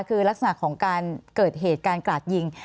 คือลักษณะของการเกิดเหตุการกราดยิง